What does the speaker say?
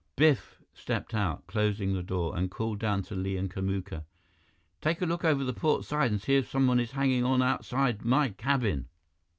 Biff stepped out, closing the door, and called down to Li and Kamuka: "Take a look over the port side and see if someone is hanging on outside my cabin!"